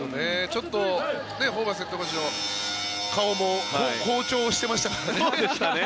ちょっとホーバスヘッドコーチの顔も紅潮してましたからね。